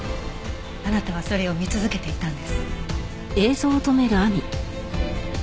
あなたはそれを見続けていたんです。